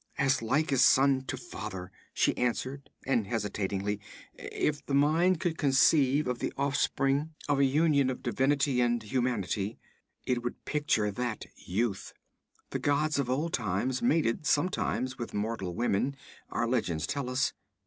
'As like as son to father,' she answered, and hesitantly: 'If the mind could conceive of the offspring of a union of divinity with humanity, it would picture that youth. The gods of old times mated sometimes with mortal women, our legends tell us.'